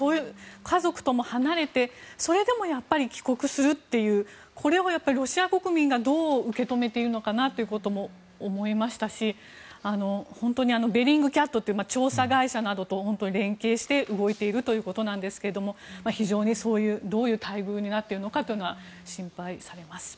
家族とも離れてそれでもやっぱり帰国するというこれをロシア国民がどう受け止めているのかなとも思いましたし本当にベリングキャットという調査会社などと連携して動いているということですが非常にどういう待遇になっているのかっていうのは心配されます。